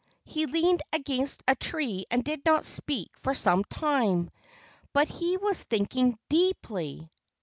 He leaned against a tree and did not speak for some time. But he was thinking deeply.